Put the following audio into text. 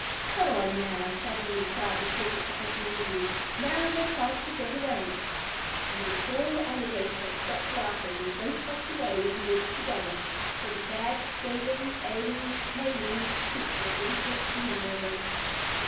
"Come on, now!" suddenly cried the cricket to Uncle Wiggily. "Now is our chance to get away." And before the alligator had stopped laughing they both hopped away in the woods together, and so the bad scalery ailery tailery creature didn't get either of them.